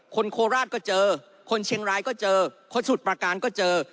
โคราชก็เจอคนเชียงรายก็เจอคนสมุทรประการก็เจอ